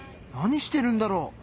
何してるんだろう？